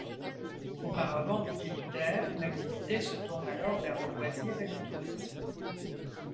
Auparavant utilitaire, l’activité se tourne alors vers le loisir et le tourisme.